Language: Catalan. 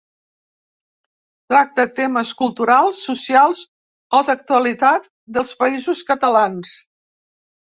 Tracta temes culturals, socials o d'actualitat dels Països Catalans.